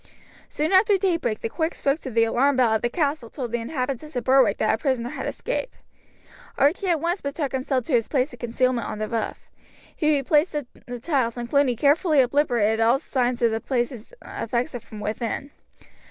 Soon after daybreak the quick strokes of the alarm bell at the castle told the inhabitants of Berwick that a prisoner had escaped. Archie at once betook himself to his place of concealment on the roof. He replaced the tiles, and Cluny carefully obliterated all signs of the place of exit from within.